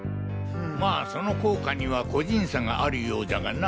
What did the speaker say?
まあその効果には個人差があるようじゃがな。